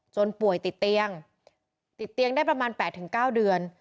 ป่วยติดเตียงติดเตียงได้ประมาณ๘๙เดือน